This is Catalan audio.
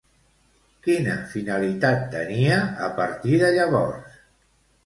Quina finalitat tenia a partir de llavors?